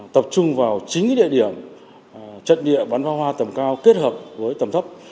tập trung vào chín địa điểm trận địa bắn pháo hoa tầm cao kết hợp với tầm thấp